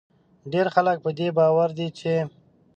ډیری خلک په دې باور دي چې